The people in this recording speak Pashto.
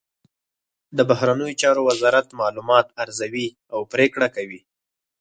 د بهرنیو چارو وزارت معلومات ارزوي او پریکړه کوي